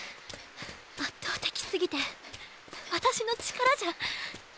圧倒的すぎて私の力じゃ！